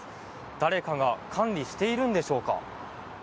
誰かが管理しているんでしょうか。